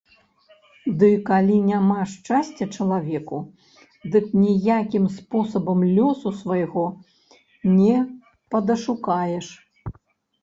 Ды калі няма шчасця чалавеку, дык ніякім спосабам лёсу свайго не падашукаеш.